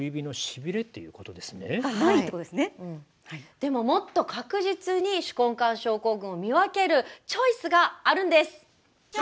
でももっと確実に手根管症候群を見分けるチョイスがあるんです！